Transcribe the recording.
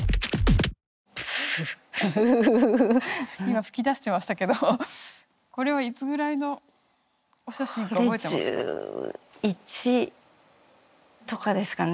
今吹き出してましたけどこれはいつぐらいのお写真か覚えてますか？